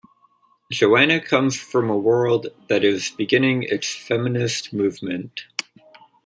Joanna comes from a world that is beginning its feminist movement.